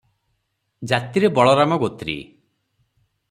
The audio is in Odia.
ଜାତିରେ ବଳରାମ ଗୋତ୍ରୀ ।